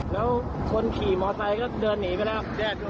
แล้วคนขี่มอเตอร์ไทยก็เดินหนีไปแล้ว